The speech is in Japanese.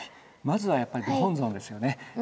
まずはやっぱりご本尊ですよね。